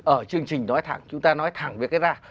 ở chương trình nói thẳng chúng ta nói thẳng về cái ra